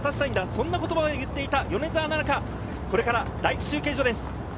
そんな言葉を言っていた米澤奈々香、これから第１中継所です。